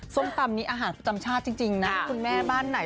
ส้มตำนี้อาหารประจำชาติจริงนะคุณแม่บ้านไหน